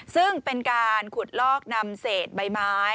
ซึ่งเป็นการขุดลอกนำเศษใบไม้